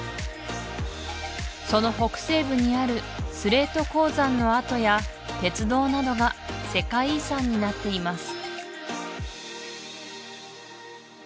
その北西部にあるスレート鉱山の跡や鉄道などが世界遺産になっています